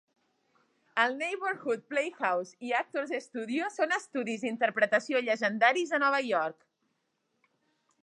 El Neighborhood Playhouse i Actors Studio són estudis d'interpretació llegendaris a Nova York.